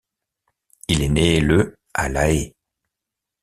Il est né le à La Haye.